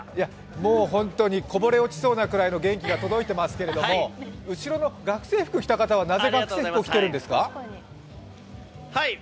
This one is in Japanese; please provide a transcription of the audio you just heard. もう本当にこぼれ落ちそうなぐらいの元気が届いていますが後ろの学生服を着ている方はなぜ学生服を着ているんですか？